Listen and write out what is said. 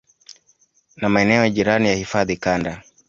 na maeneo jirani ya hifadhi Kanda